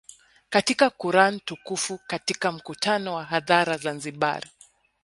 katika Quran Tukufu Katika mkutano wa hadhara Zanzibar